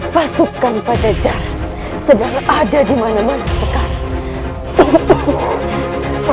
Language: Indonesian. masukkan pajajar sedang ada di mana mana sekarang